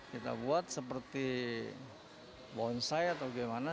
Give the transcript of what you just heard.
kita buat seperti bonsai atau gimana